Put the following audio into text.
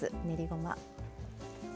練りごま。